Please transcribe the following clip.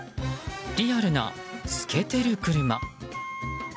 リアルな、透けてる車。